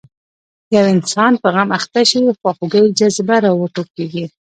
یو انسان په غم اخته شي خواخوږۍ جذبه راوټوکېږي.